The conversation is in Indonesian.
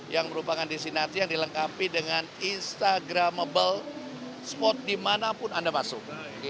yang merupakan destinasi yang dilengkapi dengan instagramable spot dimanapun anda masuk